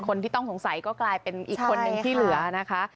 คนที่ต้องสงสัยก็กลายเป็นอีกคนนึงที่เหลือนะคะ